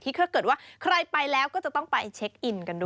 ถ้าเกิดว่าใครไปแล้วก็จะต้องไปเช็คอินกันด้วย